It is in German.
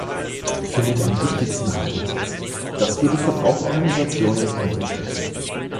Für mit am wichtigsten halte ich es, dass wir die Verbraucherorganisationen unterstützen.